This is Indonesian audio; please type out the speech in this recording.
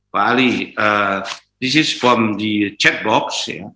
pak ali ini dari chat box